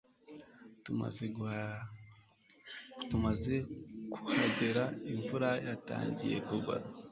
tumaze kuhagera, imvura yatangiye kugwa